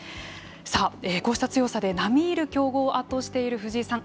さあ、こうした強さで並みいる強豪を圧倒している藤井さん。